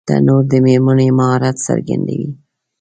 تنور د مېرمنې مهارت څرګندوي